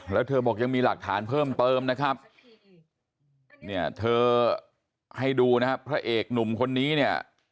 แล้วเธอบอกยังมีหลักฐานเพิ่มเติมนะครับเนี่ยเธอให้ดูนะครับพระเอกหนุ่มคนนี้เนี่ย